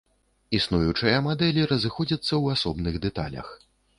Існуючыя мадэлі разыходзяцца ў асобных дэталях.